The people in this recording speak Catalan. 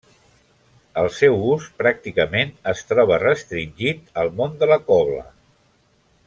El seu ús pràcticament es troba restringit al món de la cobla.